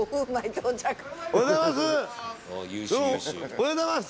おはようございます！